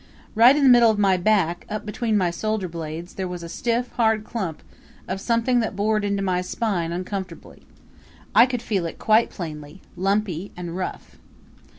Right in the middle of my back, up between my shoulder blades there was a stiff, hard clump of something that bored into my spine uncomfortably. I could feel it quite plainly lumpy and rough.